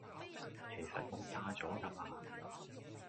其實我嫁咗㗎啦